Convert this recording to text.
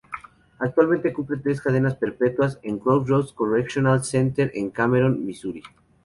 Actualmente cumple tres cadenas perpetuas en Crossroads Correctional Center en Cameron, Missouri.